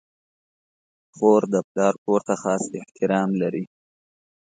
خور د پلار کور ته خاص احترام لري.